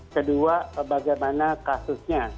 kedua bagaimana kasusnya